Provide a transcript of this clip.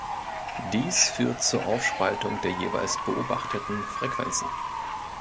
Dies führt zu Aufspaltung der jeweils beobachteten Frequenzen.